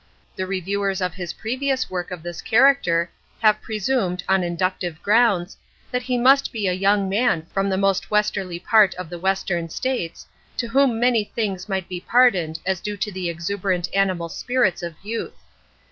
The reviewers of his previous work of this character have presumed, on inductive grounds, that he must be a young man from the most westerly part of the Western States, to whom many things might be pardoned as due to the exuberant animal spirits of youth.